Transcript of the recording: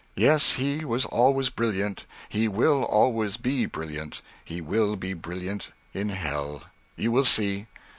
Yes, he was always brilliant, he will always be brilliant; he will be brilliant in hell you will see."